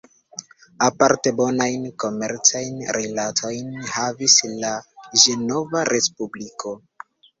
Aparte bonajn komercajn rilatojn havis la Ĝenova Respubliko.